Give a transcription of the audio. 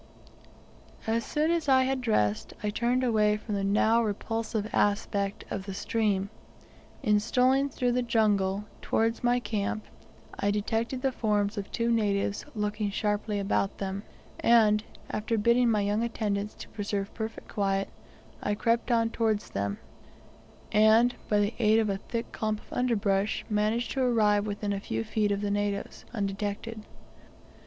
As soon as I had dressed I turned away from the now repulsive aspect of the stream. In strolling through the jungle, towards my camp, I detected the forms of two natives looking sharply about them, and, after bidding my young attendants to preserve perfect quiet, I crept on towards them, and, by the aid of a thick clump of underbush, managed to arrive within a few feet of the natives undetected.